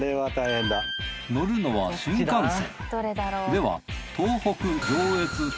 乗るのは新幹線。